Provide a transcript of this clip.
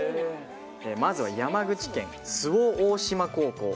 まずは山口県、周防大島高校。